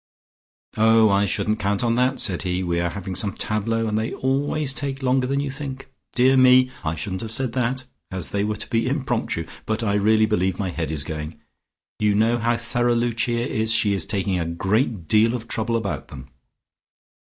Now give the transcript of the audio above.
"Oh, I shouldn't count on that," said he. "We are having some tableaux, and they always take longer than you think. Dear me, I shouldn't have said that, as they were to be impromptu, but I really believe my head is going. You know how thorough Lucia is; she is taking a great deal of trouble about them."